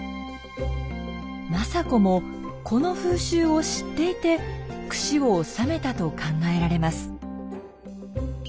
政子もこの風習を知っていてくしを納めたと考えられます。